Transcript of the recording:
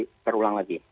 tidak terulang lagi